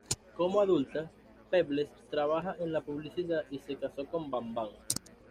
Como adulta, Pebbles trabaja en la publicidad y se casó con Bamm-Bamm.